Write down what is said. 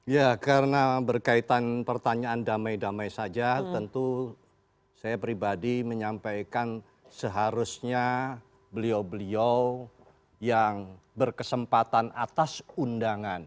ya karena berkaitan pertanyaan damai damai saja tentu saya pribadi menyampaikan seharusnya beliau beliau yang berkesempatan atas undangan